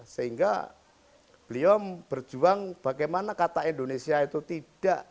sehingga beliau berjuang bagaimana kata indonesia itu tidak